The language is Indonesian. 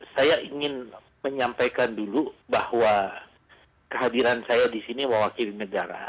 saya ingin menyampaikan dulu bahwa kehadiran saya di sini mewakili negara